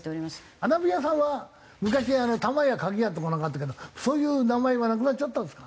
花火屋さんは昔玉屋鍵屋とかなんかあったけどそういう名前はなくなっちゃったんですか？